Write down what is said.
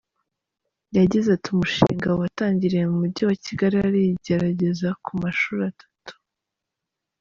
Yagize ati “Umushinga watangiriye mu mujyi wa Kigali ari igerageza ku mashuri atatu.